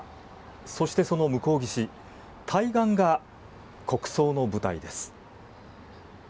そして、その向こう岸対岸が国葬の舞台です。